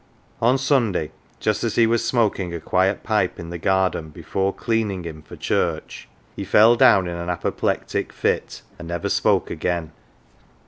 On Sunday, just as he was smoking a quiet pipe in the garden before " cleaning him " for church, he fell down in an apoplectic fit and never spoke again.